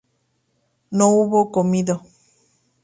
no hubo comido